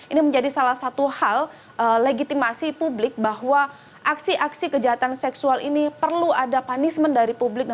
ini menjadi salah satu hal legitimasi publik bahwa aksi aksi kejahatan seksual ini perlu ada punishment dari publik